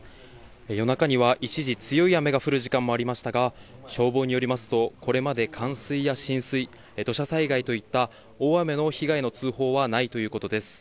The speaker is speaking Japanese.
夜中には、一時強い雨が降る時間もありましたが、消防によりますと、これまで冠水や浸水、土砂災害といった大雨の被害の通報はないということです。